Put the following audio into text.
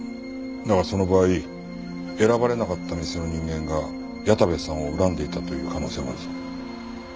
だがその場合選ばれなかった店の人間が矢田部さんを恨んでいたという可能性もあるぞ。